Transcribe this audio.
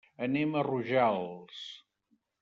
Anem a Rojals.